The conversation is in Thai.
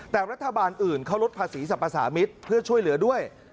แต่รัฐบาลอื่นเขาลดภาษีสรรพสามิตรเพื่อช่วยเหลือด้วย